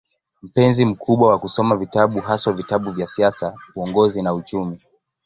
Mpenzi mkubwa wa kusoma vitabu, haswa vitabu vya siasa, uongozi na uchumi.